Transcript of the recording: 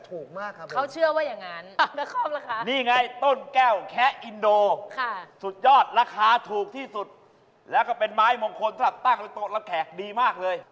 สุดยอดราคาถูกที่สุดแล้วก็เป็นไม้มงคลตั้งในโต๊ะละแขกดีมากเลย